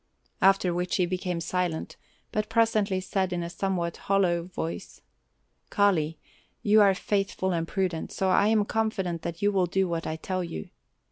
After which he became silent, but presently said in a somewhat hollow voice: "Kali, you are faithful and prudent, so I am confident that you will do what I tell you.